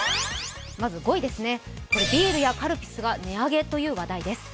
まず５位ですね、ビールやカルピスが値上げという話題です。